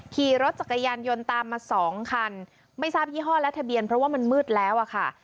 ขี่รถจักรยานยนต์ตามมาสองคันไม่ทราบยี่ห้อและทะเบียนเพราะว่ามันมืดแล้วอะค่ะ